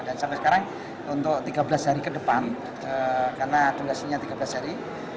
dan sampai sekarang untuk tiga belas hari ke depan karena tundasinya tiga belas hari